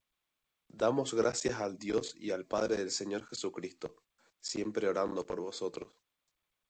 Damos gracias al Dios y Padre del Señor nuestro Jesucristo, siempre orando por vosotros: